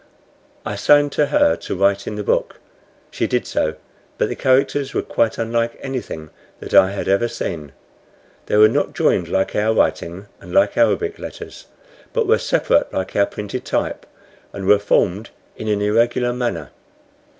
I signed to her to write in the book. She did so, but the characters were quite unlike anything that I had ever seen. They were not joined like our writing and like Arabic letters, but were separate like our printed type, and were formed in an irregular manner.